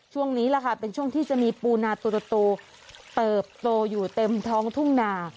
ช่วงนี้แหละค่ะเป็นช่วงที่จะมีปูนาตัวโตเติบโตอยู่เต็มท้องทุ่งนา